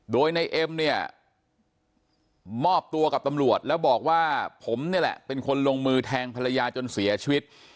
โดยในเอ็มเนี่ยมอบตัวกับตำรวจแล้วบอกว่าผมนี่แหละเป็นคนลงมือแทงภรรยาจนเสียชีวิต